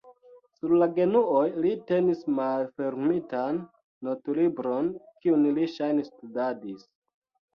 Sur la genuoj li tenis malfermitan notlibron, kiun li ŝajne studadis.